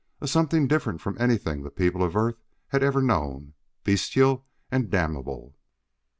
A something different from anything the people of Earth had ever known, bestial and damnable!